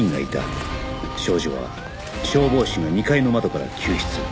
少女は消防士が２階の窓から救出